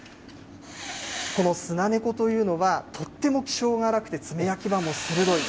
このスナネコというのは、とっても気性が荒くて、爪や牙も鋭い。